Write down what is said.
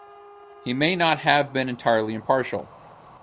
He may have not been entirely impartial.